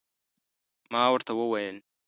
ما ورته وویل